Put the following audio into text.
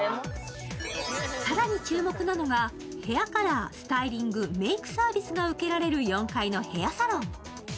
更に注目なのが、ヘアカラー、スタイリング、メイクサービスが受けられる４階のヘアサロン。